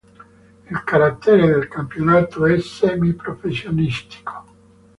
Il carattere del campionato è semiprofessionistico.